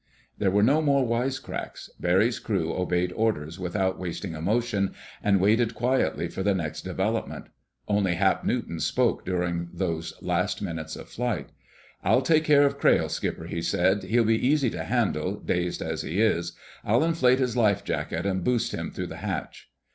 There were no more wisecracks. Barry's crew obeyed orders without wasting a motion, and waited quietly for the next development. Only Hap Newton spoke during those last minutes of flight. "I'll take care of Crayle, Skipper," he said. "He'll be easy to handle, dazed as he is. I'll inflate his lifejacket and boost him through the hatch."